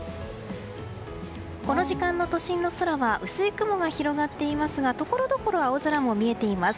この時間の都心の空は薄い雲が広がっていますがところどころ青空も見えています。